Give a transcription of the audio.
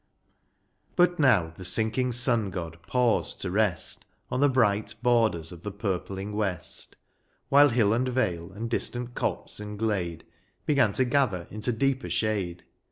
But now the sinking Sun god paused to rest On the bright borders of the purpling west, While hill and vale, and distant copse and glade Began to gather into deeper shade.